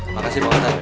makasih pak ustadz